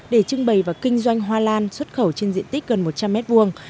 để trưng bày và kinh doanh hoa lan xuất khẩu trên diện tích gần một trăm linh m hai